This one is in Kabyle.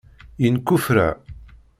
Yenkuffera.